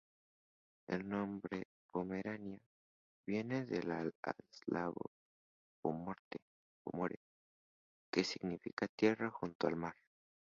El nombre "Pomerania" viene del eslavo "po more", que significa "Tierra junto al mar".